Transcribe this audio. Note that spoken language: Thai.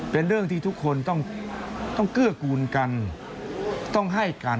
เป็นเรื่องที่ทุกคนต้องเกื้อกูลกันต้องให้กัน